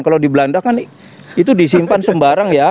kalau di belanda kan itu disimpan sembarang ya